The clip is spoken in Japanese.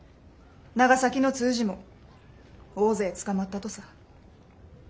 長崎の通詞も大勢捕まったとさ。